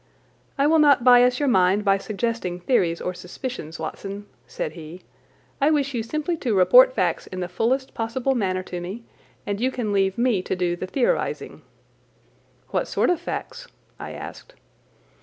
"I will not bias your mind by suggesting theories or suspicions, Watson," said he; "I wish you simply to report facts in the fullest possible manner to me, and you can leave me to do the theorizing." "What sort of facts?" I asked.